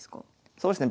そうですね。